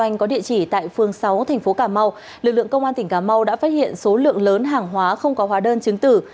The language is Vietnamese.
anh có địa chỉ tại phường sáu thành phố cà mau lực lượng công an tỉnh cà mau đã phát hiện số lượng lớn hàng hóa không có hóa đơn chứng tử